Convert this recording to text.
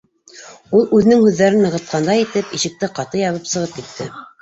Ул үҙенең һүҙҙәрен нығытҡандай итеп, ишекте ҡаты ябып сығып китте.